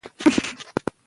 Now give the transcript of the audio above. خو یواځې پښتو به ګرانه وي!